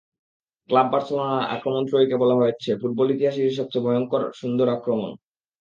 Club বার্সেলোনার আক্রমণ-ত্রয়ীকে বলা হচ্ছে ফুটবল ইতিহাসেরই সবচেয়ে ভয়ংকর সুন্দর আক্রমণভাগ।